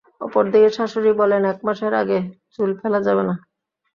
অপর দিকে শাশুড়ি বলেন, এক মাসের আগে চুল ফেলা যাবে না।